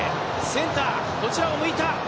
センター、こちらを向いた。